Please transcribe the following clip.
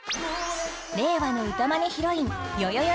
令和の歌まねヒロインよよよ